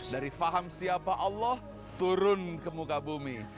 dari faham siapa allah turun ke muka bumi